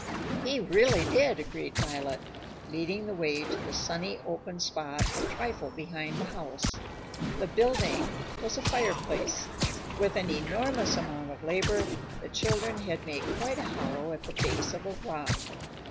"He really did," agreed Violet, leading the way to the sunny open spot a trifle behind the house. The "building" was a fireplace. With an enormous amount of labor, the children had made quite a hollow at the base of a rock.